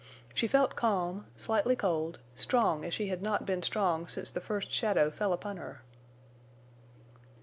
She felt calm, slightly cold, strong as she had not been strong since the first shadow fell upon her.